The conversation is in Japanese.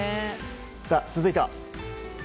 続いては。